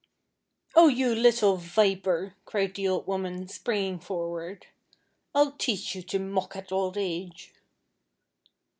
"Oh, you little viper," cried the old woman, springing forward, "I'll teach you to mock at old age."